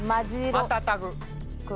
またたぐ。